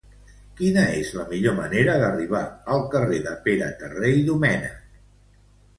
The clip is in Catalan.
Quina és la millor manera d'arribar al carrer de Pere Terré i Domènech?